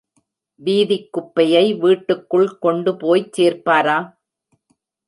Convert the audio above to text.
வீதிக் குப்பையை வீட்டுக்குள் கொண்டு போய்ச் சேர்ப்பாரா?